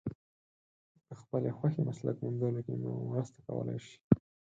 د خپلې خوښې مسلک موندلو کې مو مرسته کولای شي.